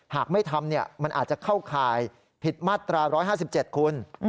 หากไม่ทำมันอาจจะเข้าข่ายผิดมาตรา๑๕๗คุณ